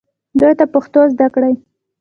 دوی ته پښتو زده کړئ